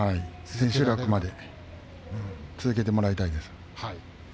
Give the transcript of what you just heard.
千秋楽まで続けてもらいたいです。